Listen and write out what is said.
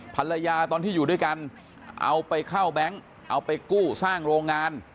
ภรรยาตอนที่อยู่ด้วยกันเอาไปเข้าแบงค์เอาไปกู้สร้างโรงงาน